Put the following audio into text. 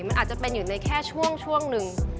มันอาจจะเป็นอยู่ในแค่ช่วงหนึ่ง